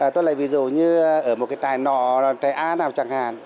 tức là ví dụ như ở một trại nọ trại a nào chẳng hạn